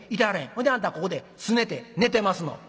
ほいであんたはここですねて寝てますの？